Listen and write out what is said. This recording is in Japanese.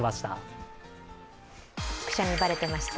くしゃみ、ばれていました。